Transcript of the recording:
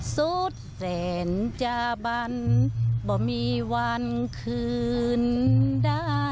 สุดเสนจักร